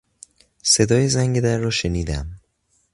صدای زنگ در را شنیدم.